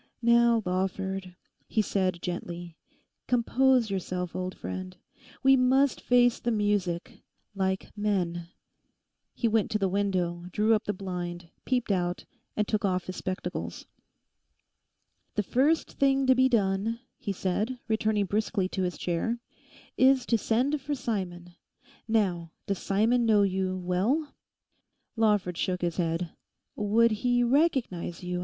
'Now, Lawford,' he said gently, 'compose yourself, old friend. We must face the music—like men.' He went to the window, drew up the blind, peeped out, and took off his spectacles. 'The first thing to be done,' he said, returning briskly to his chair, 'is to send for Simon. Now, does Simon know you well?' Lawford shook his head. 'Would he recognise you?...